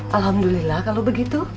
alhamdulillah kalau begitu